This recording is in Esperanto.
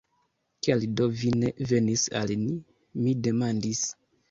Kial do vi ne venis al ni? mi demandis.